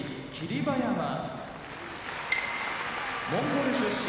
馬山モンゴル出身